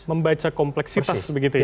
membaca kompleksitas begitu ya